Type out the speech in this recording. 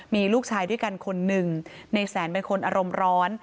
มีลูกชายด้วยกันคนหนึ่งในแสนเป็นคนอารมณ์ร้อน